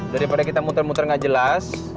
daripada kita muter muter nggak jelas